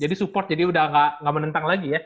jadi support jadi udah nggak menentang lagi ya